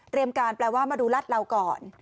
เตรียมการแปลว่ามาดูรัฐเราก่อน